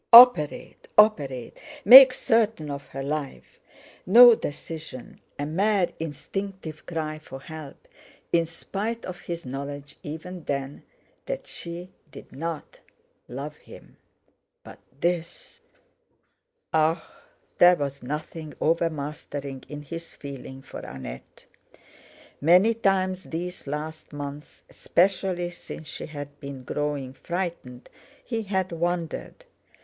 Operate, operate! Make certain of her life! No decision—a mere instinctive cry for help, in spite of his knowledge, even then, that she did not love him! But this! Ah! there was nothing overmastering in his feeling for Annette! Many times these last months, especially since she had been growing frightened, he had wondered.